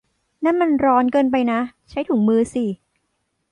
นั่นมันร้อนเกินไปนะ ! ใช้ถุงมือสิ !